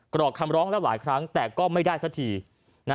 กรอกคำร้องแล้วหลายครั้งแต่ก็ไม่ได้สักที